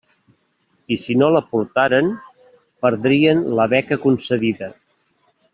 I si no l'aportaren, perdrien la beca concedida.